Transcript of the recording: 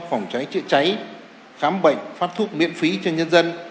phòng cháy chữa cháy khám bệnh phát thuốc miễn phí cho nhân dân